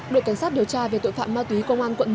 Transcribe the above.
đội cảnh sát điều tra về tội phạm ma túy công an quận một